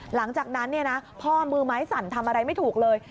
หลังจากนั้นพ่อมือไม้สั่นทำอะไรไม่ถูกเลย